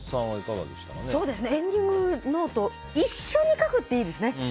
エンディングノートを一緒に書くっていいですね。